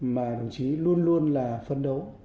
mà đồng chí luôn luôn là phấn đấu